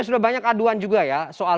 sudah banyak aduan juga ya soal